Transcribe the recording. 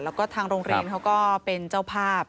แล้วก็ทางโรงเรียนเขาก็เป็นเจ้าภาพ